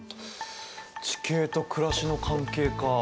地形と暮らしの関係か。